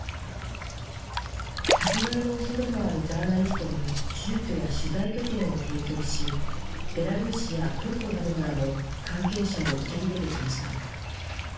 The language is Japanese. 迫害の恐れのあるジャーナリストに住居や取材拠点を提供し、ベラルーシやトルコなどからも、関係者を受け入れてきました。